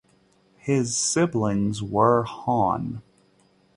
His siblings were Hon.